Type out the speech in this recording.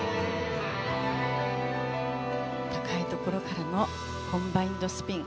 高いところからのコンバインドスピン。